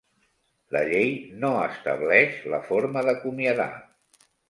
La Llei no estableix la forma d'acomiadar.